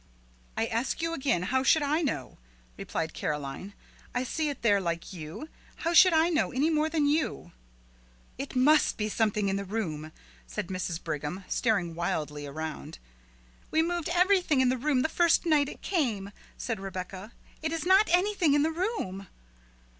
"I ask you again, how should I know?" replied Caroline. "I see it there like you. How should I know any more than you?" "It must be something in the room," said Mrs. Brigham, staring wildly around. "We moved everything in the room the first night it came," said Rebecca; "it is not anything in the room."